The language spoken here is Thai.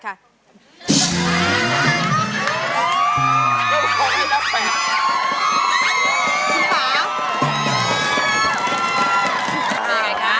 ก็ว่าไงนับแปด